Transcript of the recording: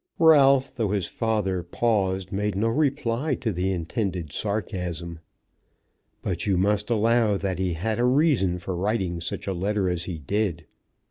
Ralph, though his father paused, made no reply to the intended sarcasm. "But you must allow that he had a reason for writing such a letter as he did."